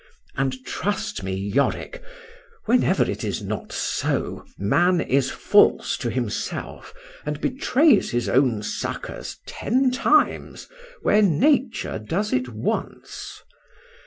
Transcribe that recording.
And trust me, Yorick, whenever it is not so, man is false to himself and betrays his own succours ten times where nature does it once.